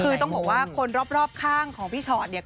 คือต้องบอกว่าคนรอบข้างของพี่ชอตเนี่ย